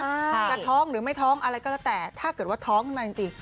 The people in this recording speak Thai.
จะท้องหรือไม่ท้องอะไรก็แล้วแต่ถ้าเกิดว่าท้องขึ้นมาจริง